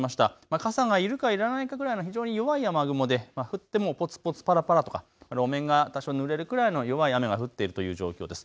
傘がいるかいらないかくらいの非常に弱い雨雲で、降ってもぽつぽつぱらぱらとか路面が多少ぬれるくらいの弱い雨が降っているという状況です。